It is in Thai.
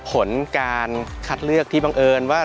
ผลการคัดเลือกที่บังเอิญว่า